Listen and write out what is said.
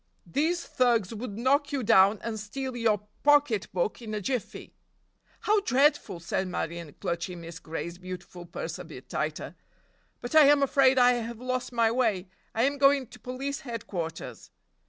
"These thugs would knock you down and steal your pocket book in a jiffy." "How dreadful!" said Marion, clutching Miss Gray's beautiful purse a bit tighter; "but I am afraid I have lost my way, I am going to Police Headquarters."